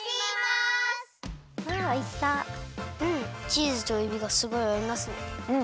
チーズとえびがすごいあいますね。